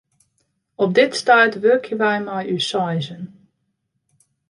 Op dit stuit wurkje wy mei ús seizen.